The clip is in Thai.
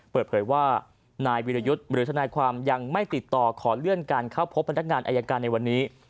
เปิดเผยว่านายวิรยุทธ์หรือทนายความยังไม่ติดต่อขอเลื่อนการเข้าพบพนักงานอายการในวันนี้